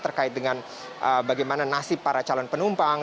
terkait dengan bagaimana nasib para calon penumpang